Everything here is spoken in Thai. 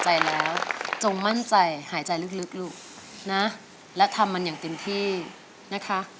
ใจแล้วจงมั่นใจหายใจลึกลูกนะและทำมันอย่างเต็มที่นะคะ